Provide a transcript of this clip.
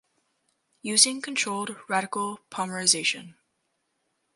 Using controlled radical polymerization.